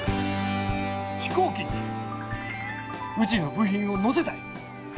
飛行機にうちの部品を乗せたい。